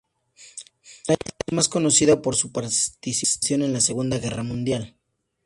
La isla es más conocida por su participación en la Segunda Guerra Mundial.